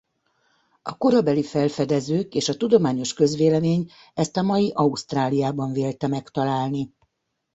A korabeli felfedezők és a tudományos közvélemény ezt a mai Ausztráliában vélte megtalálni.